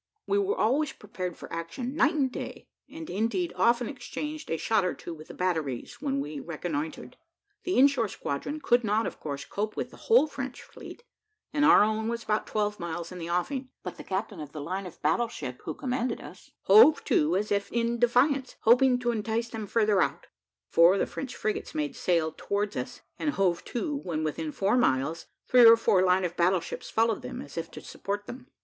We were always prepared for action, night and day, and, indeed, often exchanged a shot or two with the batteries when we reconnoitred; the in shore squadron could not, of course, cope with the whole French fleet, and our own was about twelve miles in the offing, but the captain of the line of battle ship, who commanded us, hove to as if in defiance, hoping to entice them further out. Four of the French frigates made sail towards us, and hove to, when within four miles, three or four line of battle ships followed them, as if to support them.